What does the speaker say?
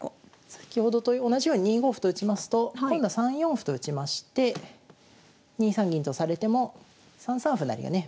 先ほどと同じように２五歩と打ちますと今度は３四歩と打ちまして２三銀とされても３三歩成がね